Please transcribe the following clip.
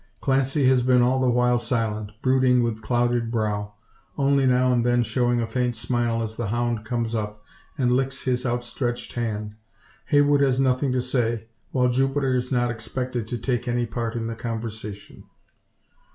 Clancy has been all the while silent, brooding with clouded brow only now and then showing a faint smile as the hound comes up, and licks his outstretched hand. Heywood has nothing to say; while Jupiter is not expected to take any part in the conversation.